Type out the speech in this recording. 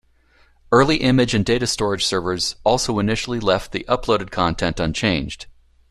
Early image and data storage servers also initially left the uploaded content unchanged.